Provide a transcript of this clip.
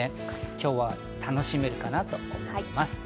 今日は楽しめるかなと思います。